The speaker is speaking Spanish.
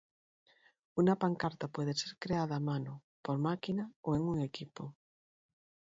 Una pancarta puede ser creada a mano, por máquina o en un equipo.